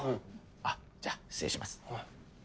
あっじゃあ失礼します。